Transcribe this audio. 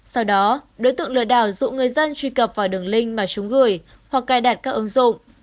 sau đó đối tượng lừa đảo dụ người dân truy cập vào đường link mà chúng gửi hoặc cài đặt các ứng dụng